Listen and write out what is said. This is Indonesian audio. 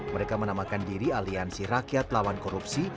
mereka menamakan diri aliansi rakyat lawan korupsi